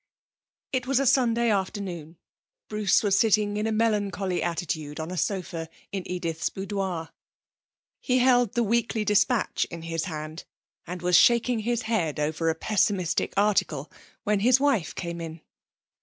It was a Sunday afternoon. Bruce was sitting in a melancholy attitude on a sofa in Edith's boudoir; he held The Weekly Dispatch in his hand, and was shaking his head over a pessimistic article when his wife came in.